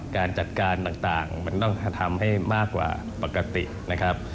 การจัดการต่างมันต้องทำให้มากกว่าปกตินะครับ